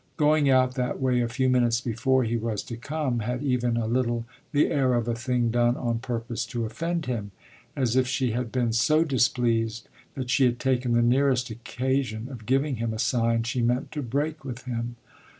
Going out that way a few minutes before he was to come had even a little the air of a thing done on purpose to offend him; as if she had been so displeased that she had taken the nearest occasion of giving him a sign she meant to break with him.